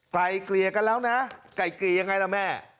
ไกลเกลี่ยกันแล้วนะไกลเกลี่ยยังไงล่ะแม่